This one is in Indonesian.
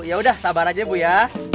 ya udah sabar aja bu ya